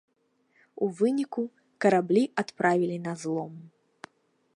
У выніку, караблі адправілі на злом.